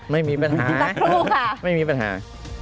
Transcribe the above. ไม่มีปัญหาไม่มีปัญหา